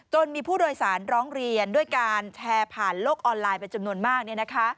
มีผู้โดยสารร้องเรียนด้วยการแชร์ผ่านโลกออนไลน์เป็นจำนวนมาก